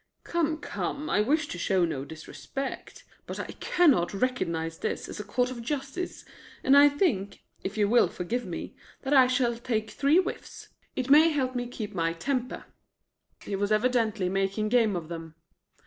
"Come, come, I wish to show no disrespect. But I cannot recognize this as a court of justice, and I think, if you will forgive me, that I shall take three whiffs. It may help me keep my temper." He was evidently making game of them.